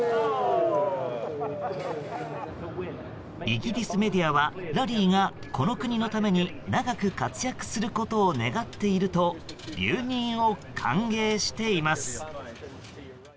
イギリスメディアはラリーが、この国のために長く活躍することを願っていると留任を歓迎しています。